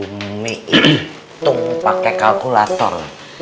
umi hitung pake kalkulator